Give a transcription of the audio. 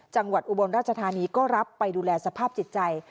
อุบลราชธานีก็รับไปดูแลสภาพจิตใจ